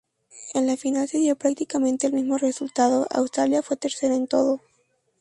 En la final se dio prácticamente el mismo resultado; Australia fue tercera en todo.